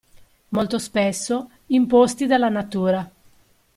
Molto spesso imposti dalla natura.